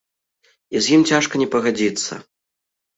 І з ім цяжка не пагадзіцца.